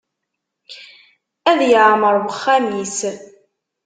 Ad yeɛmer uxxam-is.